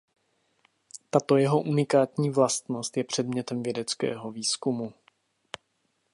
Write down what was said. Tato jeho unikátní vlastnost je předmětem vědeckého výzkumu.